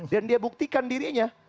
dan dia buktikan dirinya